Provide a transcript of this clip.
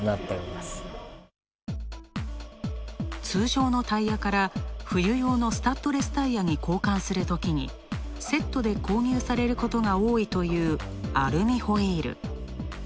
通常のタイヤから冬用のスタッドレスタイヤに交換するときにセットで購入されることが多いというアルミホイール。